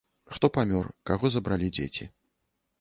Хто памёр, каго забралі дзеці.